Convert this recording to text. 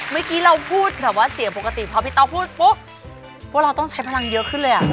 เมื่อกี้เราพูดแบบว่าเสียงปกติพอพี่ต๊อกพูดปุ๊บพวกเราต้องใช้พลังเยอะขึ้นเลยอ่ะ